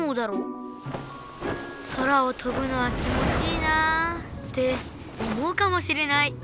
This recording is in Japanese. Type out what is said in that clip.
空をとぶのは気もちいいなあって思うかもしれない。